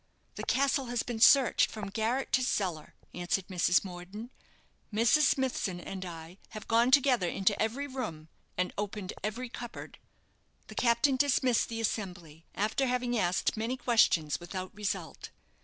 "The castle has been searched from garret to cellar," answered Mrs. Morden. "Mrs. Smithson and I have gone together into every room, and opened every cupboard." The captain dismissed the assembly, after having asked many questions without result.